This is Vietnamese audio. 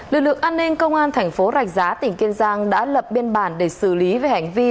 lực lượng an ninh công an thành phố rạch giá tỉnh kiên giang đã lập biên bản để xử lý về hành vi